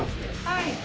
はい。